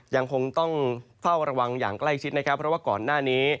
ยังคงต้องเฝ้าระวังอย่างใกล้ชิดนะครับเพราะว่าก่อนหน้านี้